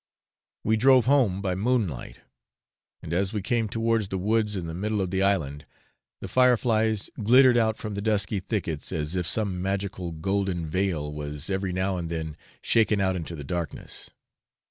We drove home by moonlight; and as we came towards the woods in the middle of the island, the fire flies glittered out from the dusky thickets as if some magical golden veil was every now and then shaken out into the darkness.